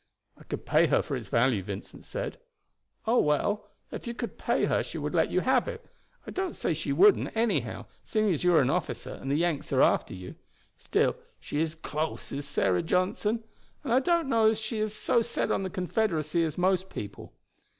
"I could pay her for its value," Vincent said. "Oh, well, if you could pay her she would let you have it. I don't say she wouldn't, anyhow, seeing as you are an officer, and the Yanks are after you. Still, she is close is Sarah Johnson, and I don't know as she is so set on the Confederacy as most people.